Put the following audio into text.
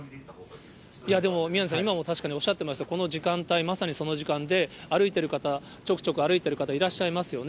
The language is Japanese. いやでも、宮根さん、今も確かにおっしゃってましたが、この時間帯、まさにその時間で、歩いてる方、ちょくちょく歩いてる方、いらっしゃいますよね。